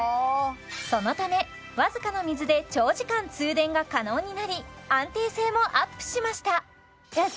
そのためわずかな水で長時間通電が可能になり安定性もアップしましたえっ